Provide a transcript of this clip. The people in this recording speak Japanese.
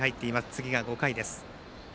次が５回です。